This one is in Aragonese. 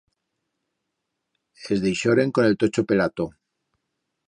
Es deixoren con el tocho pelato.